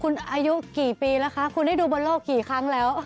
คุณอายุกี่ปีแล้วคะคุณได้ดูบนโลกกี่ครั้งแล้ว